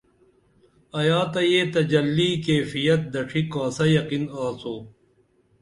ایا تہ یہ تجلی کیفیت دڇھی کاسہ یقین آڅو